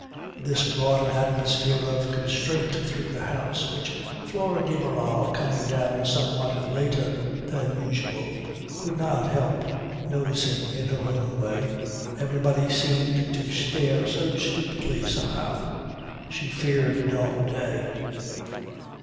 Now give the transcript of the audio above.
This brought an atmosphere of constraint through the house, which Flora de Barral coming down somewhat later than usual could not help noticing in her own way. Everybody seemed to stare so stupidly somehow; she feared a dull day.